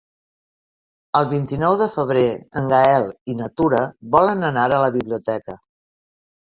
El vint-i-nou de febrer en Gaël i na Tura volen anar a la biblioteca.